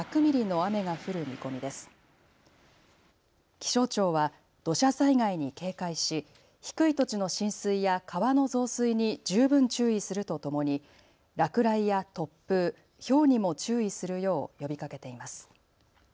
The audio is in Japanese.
気象庁は土砂災害に警戒し低い土地の浸水や川の増水に十分注意するとともに落雷や突風、ひょうにも注意するよう呼びかけています。